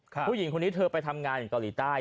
ผู้หญิงคนนี้เธอไปทำงานอยู่เกาหลีใต้